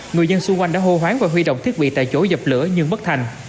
người dân xung quanh đã hô hoáng và huy động thiết bị tại chỗ dập lửa nhưng bất thành